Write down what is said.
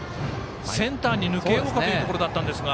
センターに抜けようかというところだったんですが。